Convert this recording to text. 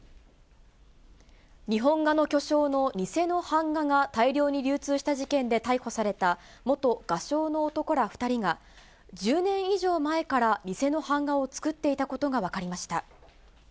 日本画の巨匠の偽の版画が大量に流通した事件で逮捕された元画商の男ら２人が、１０年以上前から偽の版画を作ったいたことが分かりました。